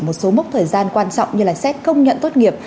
một số mốc thời gian quan trọng như là xét công nhận tốt nghiệp